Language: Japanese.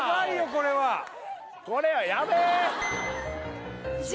これはやべえ！